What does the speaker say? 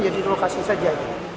jadi di lokasi saja